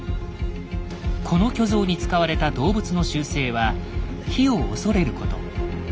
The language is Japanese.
この巨像に使われた動物の習性は火を恐れること。